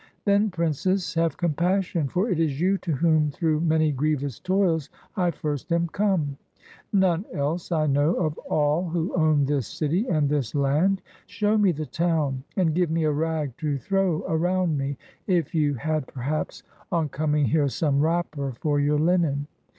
Then, princess, have compassion, for it is you to whom through many grievous toils I first am come; none else I know of all who own this city and this land. Show me the town, and give me a rag to throw around me, if you had perhaps on 28 PRINCESS NAUSICAA AND THE SAILOR coming here some wrapper for your linen.